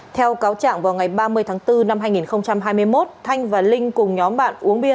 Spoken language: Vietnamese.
theo cáo trạng vào ngày ba mươi tháng bốn năm hai nghìn hai mươi một thanh và linh cùng nhóm bạn uống bia